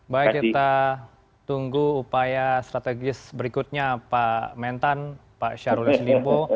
baik kita tunggu upaya strategis berikutnya pak mentan pak syarul eslimbo